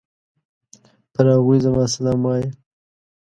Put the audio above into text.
پر هغوی زما سلام وايه!